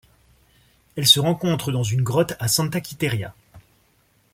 Elle se rencontre dans une grotte à Santa Quitéria.